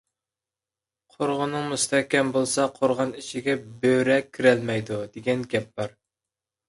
«قورغىنىڭ مۇستەھكەم بولسا، قورغان ئىچىگە بۆرە كىرەلمەيدۇ» دېگەن گەپ بار.